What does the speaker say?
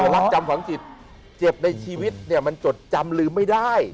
รักจำฝังจิตเจ็บในชีวิตเนี่ยมันจดจำลืมไม่ได้